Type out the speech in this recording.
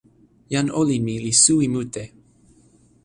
jan olin mi li suwi mute.